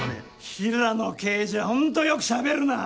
ヒラの刑事はホントよくしゃべるなぁ！